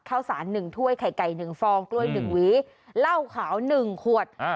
ข้าวสารหนึ่งถ้วยไข่ไก่หนึ่งฟองกล้วยหนึ่งวีเล่าขาวหนึ่งขวดอ่า